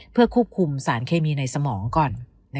เพื่อควบคุมสารเคมีในสมองก่อน